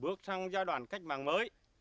bước sang giai đoạn cách mạng mới